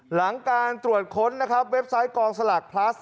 หลังการตรวจค้นนะครับเว็บไซต์กองสลากพลัส